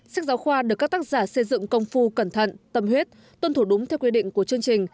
sách giáo khoa được các tác giả xây dựng công phu cẩn thận tâm huyết tuân thủ đúng theo quy định của chương trình